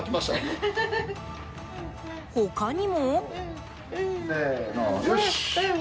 他にも。